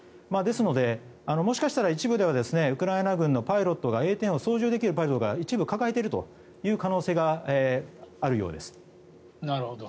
ですので、もしかしたら一部ではウクライナ軍のパイロットがＡ１０を操縦できるパイロットを一部抱えているという可能性があるようです。